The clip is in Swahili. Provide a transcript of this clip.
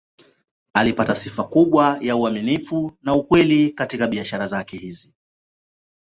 Alipata sifa kubwa ya uaminifu na ukweli katika biashara zake hizi.